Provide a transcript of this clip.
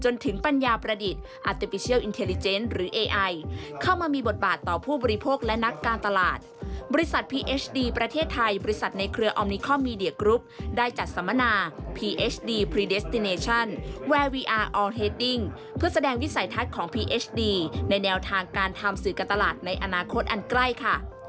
ในแนวทางการทำสื่อการตลาดในอนาคตอันใกล้ค่ะ